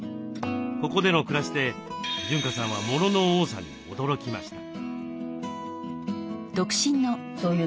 ここでの暮らしで潤香さんはモノの多さに驚きました。